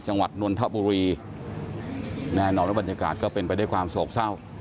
จังหวัดนวลทะบุรีแน่นอนและบรรยากาศก็เป็นไปได้ความโสขเศร้า